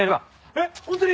えっ本当に？